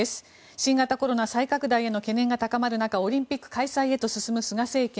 新型コロナ再拡大への懸念が高まる中オリンピック開催へと進む菅政権。